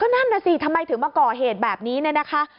นั่นน่ะสิทำไมถึงมาก่อเหตุแบบนี้เนี่ยนะคะ